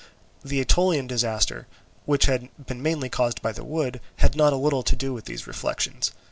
The Aetolian disaster, which had been mainly caused by the wood, had not a little to do with these reflections.